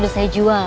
sudah saya jual